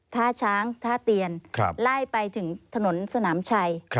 ท่าช้างท่าเตียนไล่ไปถึงถนนสนามชัย